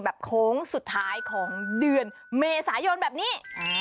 โค้งสุดท้ายของเดือนเมษายนแบบนี้